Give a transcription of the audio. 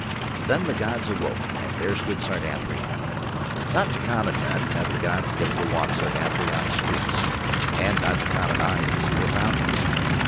Then the gods awoke and there stood Sardathrion. Not to common men have the gods given to walk Sardathrion's streets, and not to common eyes to see her fountains.